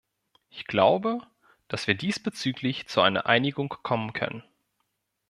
Ich glaube, dass wir diesbezüglich zu einer Einigung kommen können.